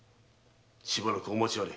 しばらくお待ちあれ。